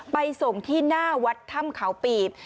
ไปส่งที่หน้าวัดถ้ำเขาปีบ